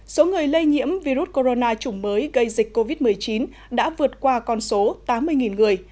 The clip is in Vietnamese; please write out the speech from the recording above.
số người lây nhiễm virus corona chủng mới gây dịch covid một mươi chín đã vượt qua con số tám mươi người